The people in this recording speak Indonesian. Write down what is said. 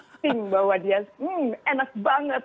harus acting bahwa dia enak banget